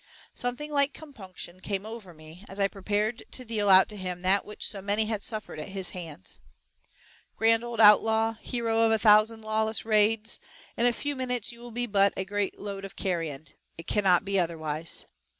Something like compunction came over me, as I prepared to deal out to him that which so many had suffered at his hands. "Grand old outlaw, hero of a thousand lawless raids, in a few minutes you will be but a great load of carrion. It cannot be otherwise."